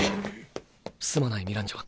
すまないミランジョ。